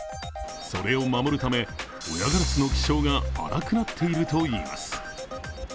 それを守るため、親ガラスの気性が荒くなっているといいます。